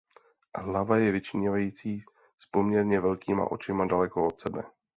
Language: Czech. Hlava je vyčnívající s poměrně velkýma očima daleko od sebe.